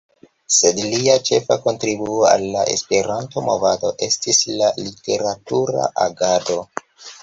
Sed lia ĉefa kontribuo al la Esperanto-movado estis la literatura agado.